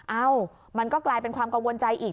เอ้ามันก็กลายเป็นความกังวลใจอีก